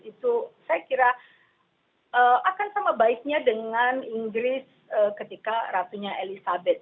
itu saya kira akan sama baiknya dengan inggris ketika ratunya elizabeth